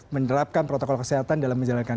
menerapkan protokol kesehatan dalam menjalankan